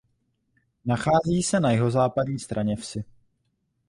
Nachází se na jihozápadní straně vsi.